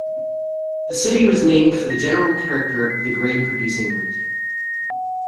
The city was named for the general character of the grain-producing region.